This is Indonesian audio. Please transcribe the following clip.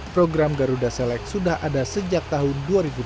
program garuda select sudah ada sejak tahun dua ribu tujuh belas